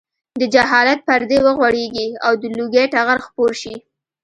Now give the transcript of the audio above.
د جهالت پردې وغوړېږي او د لوږې ټغر خپور شي.